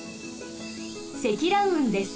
積乱雲です。